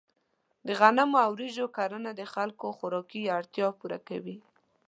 د غنمو او وریجو کرنه د خلکو خوراکي اړتیا پوره کوي.